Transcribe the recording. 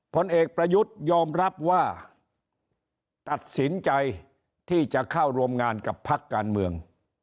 ผลเอกประยุทธ์ยอมรับว่าตัดสินใจที่จะเข้าร่วมงานกับพักการเมือง